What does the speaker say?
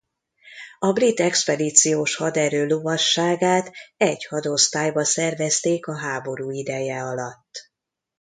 A brit expedíciós haderő lovasságát egy hadosztályba szervezték a háború ideje alatt.